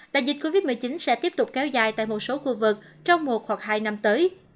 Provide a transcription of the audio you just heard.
đại dịch covid một mươi chín sẽ tiếp tục kéo dài tại một số khu vực trong một hoặc hai năm tới